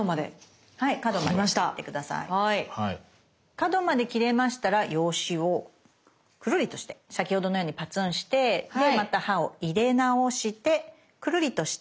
角まで切れましたら用紙をくるりとして先ほどのようにパツンしてでまた刃を入れ直してくるりとして。